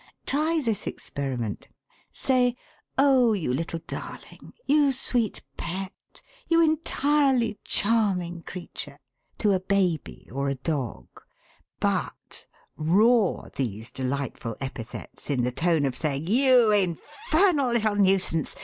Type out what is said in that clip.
Try this experiment. Say: 'Oh, you little darling, you sweet pet, you entirely charming creature!' to a baby or a dog; but roar these delightful epithets in the tone of saying: 'You infernal little nuisance!